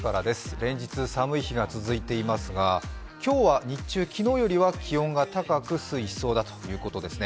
連日寒い日が続いていますが今日は日中、昨日よりは気温が高く推移しそうだということですね。